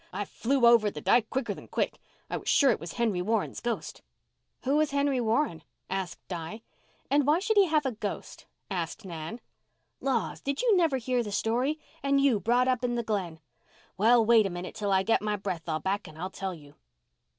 I flew over the dyke quicker than quick. I was sure it was Henry Warren's ghost." "Who was Henry Warren?" asked Di. "And why should he have a ghost?" asked Nan. "Laws, did you never hear the story? And you brought up in the Glen. Well, wait a minute till I get by breath all back and I'll tell you."